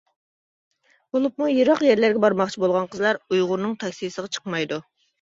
بولۇپمۇ يىراق يەرلەرگە بارماقچى بولغان قىزلار ئۇيغۇرنىڭ تاكسىسىغا چىقمايدۇ.